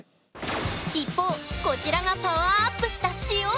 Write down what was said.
一方こちらがパワーアップした「塩」。